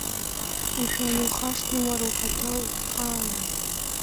Мшәан, иухашҭма уара ухаҭа узхаану?